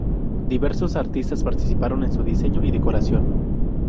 Diversos artistas participaron en su diseño y decoración.